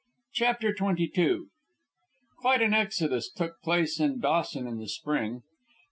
CHAPTER XXII Quite an exodus took place in Dawson in the spring.